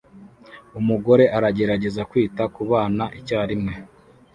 Umugore aragerageza kwita kubana icyarimwe